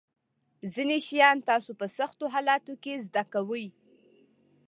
ځینې شیان تاسو په سختو حالاتو کې زده کوئ.